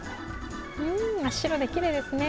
真っ白できれいですね。